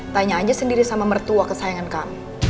tanya aja sendiri sama mertua kesayangan kami